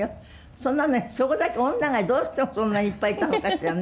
それなのにそこだけ女がどうしてそんなにいっぱいいたのかしらね。